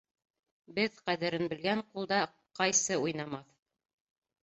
Беҙ ҡәҙерен белгән ҡулда ҡайсы уйнамаҫ